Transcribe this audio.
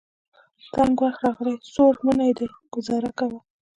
تنګ وخت راغلی. څوړ منی دی ګذاره کوه.